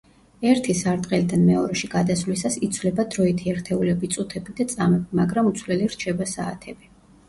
ერთი სარტყელიდან მეორეში გადასვლისას იცვლება დროითი ერთეულები წუთები და წამები, მაგრამ უცვლელი რჩება საათები.